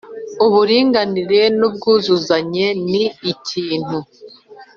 Uburinganire n ubwuzuzanye ni ikintu